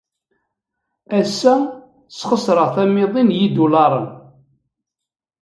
Ass-a, sxeṣreɣ tamiḍi n yidulaṛen.